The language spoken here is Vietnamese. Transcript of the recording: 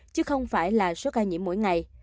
chứ không phải là số ca nhiễm mỗi ngày